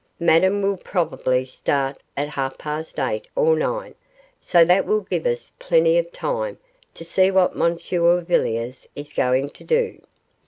Madame will probably start at half past eight or nine, so that will give us plenty of time to see what M. Villiers is going to do.